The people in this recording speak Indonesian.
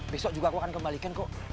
besok juga aku akan kembalikan kok